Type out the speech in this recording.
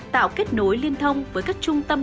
tạo kết nối liên thông với các trung tâm